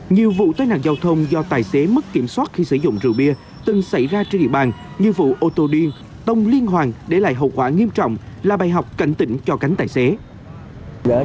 nhiều vụ tai nạn giao thông do tài xế mất kiểm soát khi sử dụng rượu bia từng xảy ra trên địa bàn như vụ ô tô điên tông liên hoàn để lại hậu quả nghiêm trọng là bài học cảnh tỉnh cho cánh tài xế